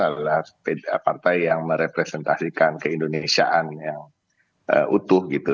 adalah partai yang merepresentasikan keindonesiaan yang utuh gitu